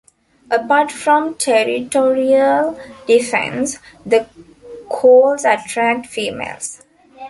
Apart from territorial defence, the calls attract females.